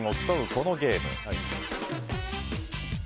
このゲーム。